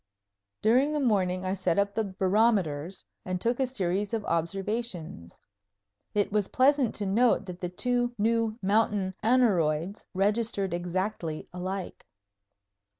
During the morning I set up the barometers and took a series of observations. It was pleasant to note that the two new mountain aneroids registered exactly alike.